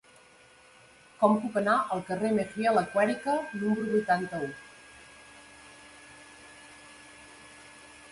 Com puc anar al carrer de Mejía Lequerica número vuitanta-u?